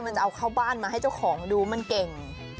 มันจะเอาเข้าบ้านมาให้เจ้าของดูมันเก่ง